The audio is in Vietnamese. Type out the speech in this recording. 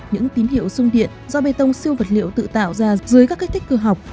những tín hiệu sung điện do bê tông siêu vật liệu tự tạo ra dưới các kích thích cơ học